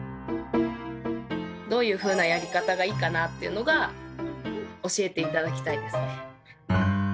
どういうふうなやり方がいいかなっていうのが教えて頂きたいですね。